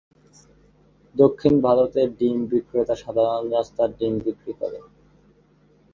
দক্ষিণ ভারতে ডিম বিক্রেতা সাধারণ রাস্তার ডিম বিক্রি করে।